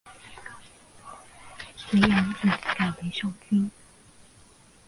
隋炀帝改为上郡。